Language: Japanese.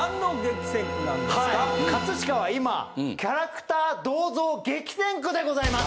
飾は今キャラクター銅像激戦区でございます！